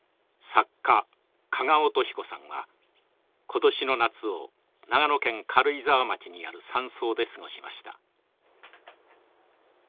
作家加賀乙彦さんは今年の夏を長野県軽井沢町にある山荘で過ごしました。